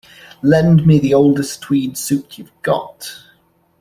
Lend me the oldest tweed suit you’ve got.